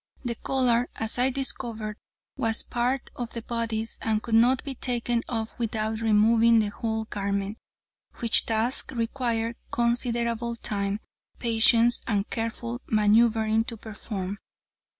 The collar, as I discovered, was a part of the bodice and could not be taken off without removing the whole garment, which task required considerable time, patience, and careful maneuvering to perform.